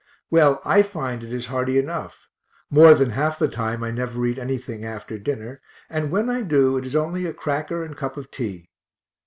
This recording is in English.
Well, I find it is hearty enough more than half the time I never eat anything after dinner, and when I do it is only a cracker and cup of tea.